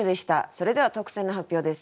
それでは特選の発表です。